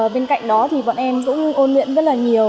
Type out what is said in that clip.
bên cạnh đó thì bọn em cũng ôn luyện rất là nhiều